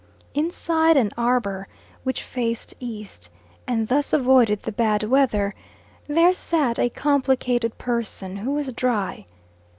Inside an arbour which faced east, and thus avoided the bad weather there sat a complicated person who was dry.